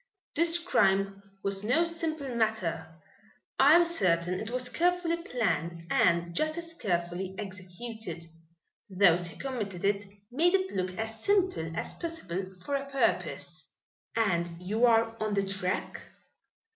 "This crime was no simple matter. I am certain it was carefully planned and just as carefully executed. Those who committed it made it look as simple as possible for a purpose." "And you are on the track?"